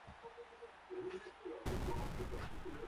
Only a few fragments of his works remain.